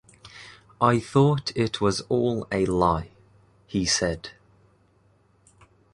"I thought it was all a lie," he said.